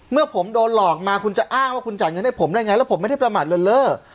เมื่อผมโดนหลอกมาคุณจะอ้างว่าคุณจ่ายเงินให้ผมได้ไงแล้วผมไม่ได้ประมาทเลินเล่อ